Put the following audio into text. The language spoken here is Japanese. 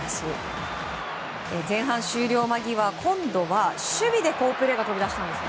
前半終了間際今度は守備で好プレーが飛び出しました。